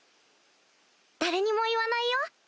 誰にも言わないよ